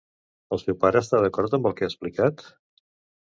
El seu pare està d'acord amb el que ha explicat?